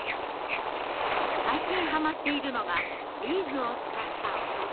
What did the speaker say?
最近はまっているのがビーズを使った遊び。